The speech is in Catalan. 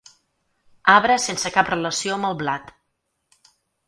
Arbre sense cap relació amb el blat.